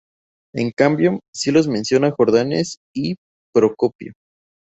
En cambio sí los menciona Jordanes y Procopio.